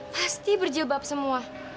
pasti berjilbab semua